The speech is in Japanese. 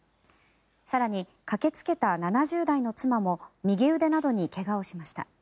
更に、駆けつけた７０代の妻も右腕などに怪我をしました。